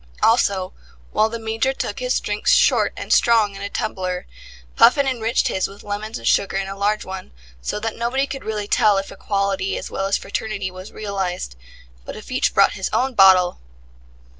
Also, while the Major took his drinks short and strong in a small tumbler, Puffin enriched his with lemons and sugar in a large one, so that nobody could really tell if equality as well as fraternity was realized. But if each brought his own bottle